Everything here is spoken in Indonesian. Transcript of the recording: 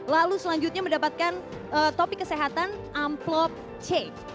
lalu selanjutnya mendapatkan topik kesehatan amplop c